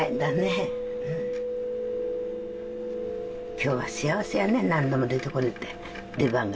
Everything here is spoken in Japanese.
今日は幸せやね何度も出てこれて出番があって。